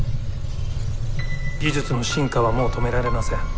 技術の進化はもう止められません。